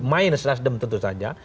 main sesedem tentu saja